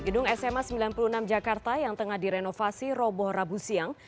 gedung sma sembilan puluh enam jakarta yang tengah direnovasi roboh rabu siang